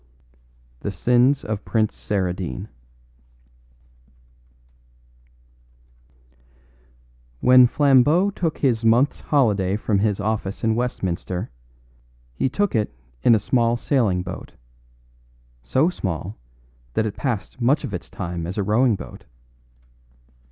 The Sins of Prince Saradine When Flambeau took his month's holiday from his office in Westminster he took it in a small sailing boat, so small that it passed much of its time as a rowing boat.